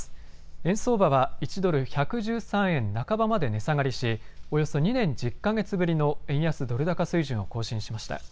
円相場は１ドル１１３円半ばまで値下がりし、およそ２年１０か月ぶりの円安ドル高水準を更新しました。